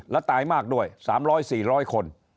และตายมากด้วย๓๐๐๔๐๐คน